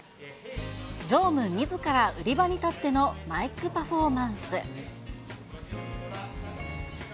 常務みずから売り場に立ってのマイクパフォーマンス。